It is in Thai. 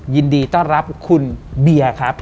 ยินดีต้อนรับคุณเบียร์ครับ